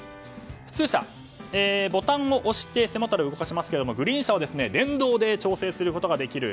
普通車ボタンを押して背もたれを動かしますがグリーン車は電動で調整することができる。